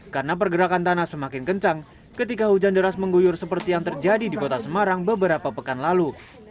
karena pergerakan tanah semakin kencang ketika hujan deras mengguyur seperti yang terjadi di kota semarang beberapa pekan lalu